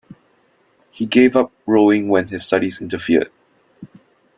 He gave up rowing when his studies interfered.